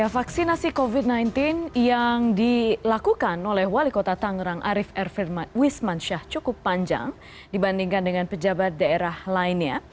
vaksinasi covid sembilan belas yang dilakukan oleh wali kota tangerang arief r wismansyah cukup panjang dibandingkan dengan pejabat daerah lainnya